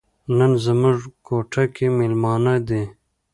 نن زموږ کوټه کې میلمانه دي.